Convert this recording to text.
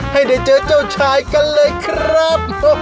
ให้ได้เจอเจ้าชายกันเลยครับ